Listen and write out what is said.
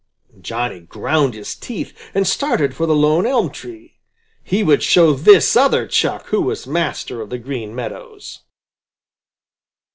Johnny ground his teeth and started for the lone elm tree. He would show this other Chuck who was master of the Green Meadows!